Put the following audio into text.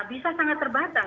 bisa sangat terbatas